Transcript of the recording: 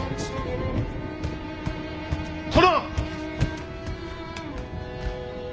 殿！